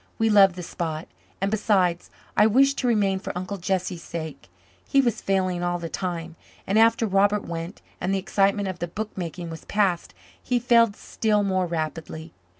We loved the spot and, besides, I wished to remain for Uncle Jesse's sake. He was failing all the time, and after Robert went and the excitement of the book making was past, he failed still more rapidly.